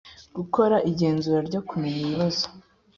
gukora igenzura ryo kumenya ibibazo